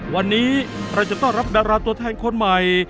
วันนี้เราจะต้อนรับดาราตัวแทนคนใหม่